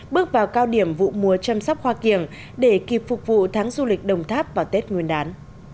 bước vào cao điểm vụ mùa chăm sóc hoa kiểng để kịp phục vụ tháng du lịch đồng tháp vào tết nguyên đán